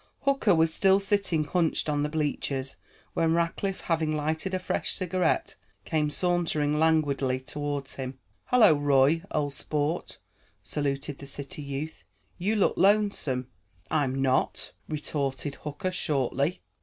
Hooker was still sitting hunched on the bleachers, when Rackliff, having lighted a fresh cigarette, came sauntering languidly toward him. "Hello, Roy, old sport," saluted the city youth. "You look lonesome." "I'm not," retorted Hooker shortly.